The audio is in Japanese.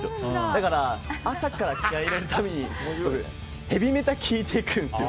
だから朝から気合を入れるためにヘビメタ聴いていくんですよ。